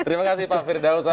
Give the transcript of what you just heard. terima kasih pak firdausal